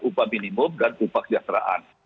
upah minimum dan upah kesejahteraan